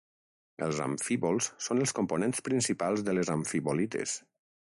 Els amfíbols són els components principals de les amfibolites.